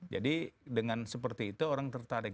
jadi dengan seperti itu orang tertarik